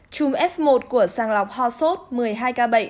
chùm f một của sàng lọc hòa sốt một mươi hai k bảy